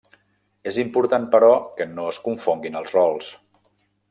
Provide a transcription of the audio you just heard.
És important, però, que no es confonguin els rols.